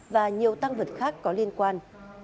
và nhiều tăng vật khác có liên quan